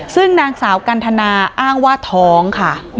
ซึ่งนางสาวกันทนาอ้างว่าท้องค่ะ